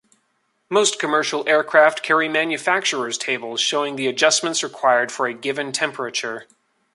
Most commercial aircraft carry manufacturer's tables showing the adjustments required for a given temperature.